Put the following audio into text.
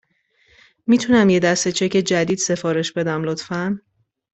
می تونم یک دسته چک جدید سفارش بدهم، لطفاً؟